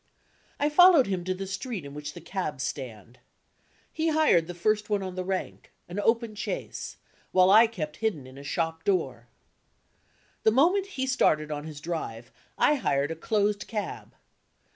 I followed him to the street in which the cabs stand. He hired the first one on the rank, an open chaise; while I kept myself hidden in a shop door. The moment he started on his drive, I hired a closed cab.